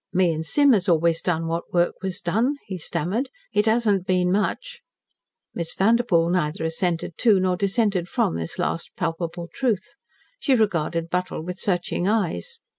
"Me and Sim has always done what work was done," he stammered. "It hasn't been much." Miss Vanderpoel neither assented to nor dissented from this last palpable truth. She regarded Buttle with searching eyes.